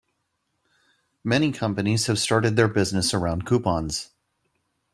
Many companies have started their business around coupons.